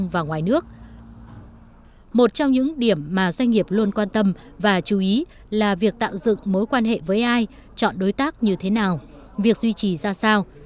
một trong những điểm mà doanh nghiệp luôn quan tâm và chú ý là việc tạo dựng mối quan hệ với ai chọn đối tác như thế nào việc duy trì ra sao